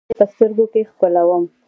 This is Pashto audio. زه دې په سترګو ښکلوم.